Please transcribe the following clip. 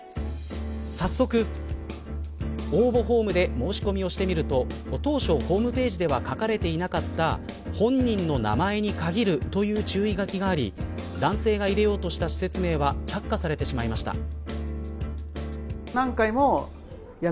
早速、応募フォームで申し込みをしてみると当初ホームページでは書かれていなかった本人の名前に限るという注意書きがあり男性が入れようとした施設名は却下されてしまいました。